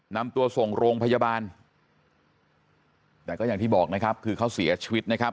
นำตัวส่งโรงพยาบาลแต่ก็อย่างที่บอกนะครับคือเขาเสียชีวิตนะครับ